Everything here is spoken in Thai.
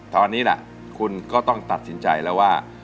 ตอนนี้แหละคุณต้องตัดสินใจว่า